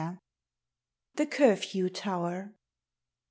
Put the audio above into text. THE CURFEW TOWER.